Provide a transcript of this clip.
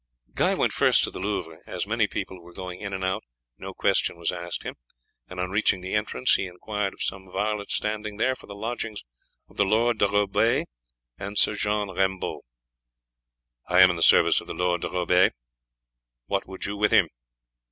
Guy went first to the Louvre. As many people were going in and out, no question was asked him, and on reaching the entrance he inquired of some varlets standing there for the lodgings of the Lord de Roubaix and Sir John Rembault. "I am in the service of the Lord de Roubaix; what would you with him?"